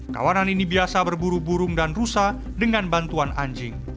kawanan ini biasa berburu burung dan rusa dengan bantuan anjing